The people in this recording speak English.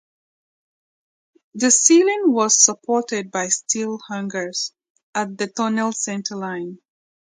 The ceiling was supported by steel hangers at the tunnel centerline.